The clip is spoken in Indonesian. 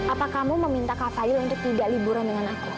apa kamu meminta kak fadil untuk tidak liburan dengan aku